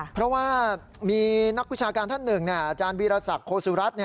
เพราะว่ามีนักวิชาการท่านหนึ่งอาจารย์วีรศักดิ์โคสุรัตน์